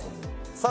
さあ